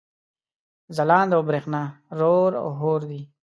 ځلاند او برېښنا رور او حور دي